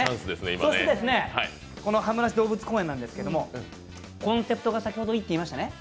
そして、羽村市動物公園なんですけれども、コンセプトが先ほどいいって言いましたね。